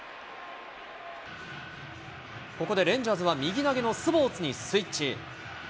ここでレンジャーズは右投げのスボーツにスイッチ。